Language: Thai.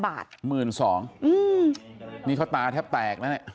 บาท๑๒๐๐บาทนี่เขาตาแทบแตกนะเนี่ย